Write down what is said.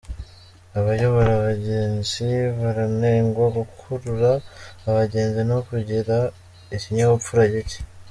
Abayobora abagenzi baranengwa gukurura abagenzi, no kugira ikinyabupfura gicye